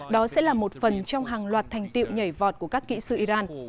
đó sẽ là một phần trong hàng loạt thành tiệu nhảy vọt của các kỹ sư iran